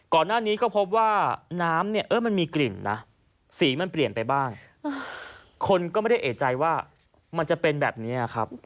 ก่อนหน้านี้ก็พบว่าน้ำเนี่ยเออมันมีกลิ่นนะสีมันเปลี่ยนไปบ้างคนก็ไม่ได้เอกใจว่ามันจะเป็นแบบนี้ครับ